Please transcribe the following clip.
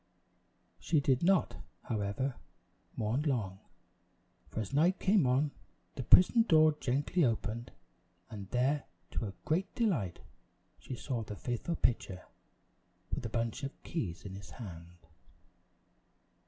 She did not, however, mourn long, for as night came on, the prison door gently opened, and there, to her great delight, she saw the faithful pitcher, with a bunch of keys in his hand.